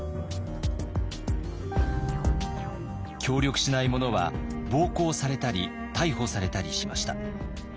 協力しない者は暴行されたり逮捕されたりしました。